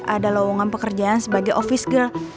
ada lowongan pekerjaan sebagai office girl